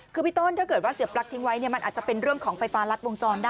คือพี่ต้นถ้าเกิดว่าเสียปลั๊กทิ้งไว้เนี่ยมันอาจจะเป็นเรื่องของไฟฟ้ารัดวงจรได้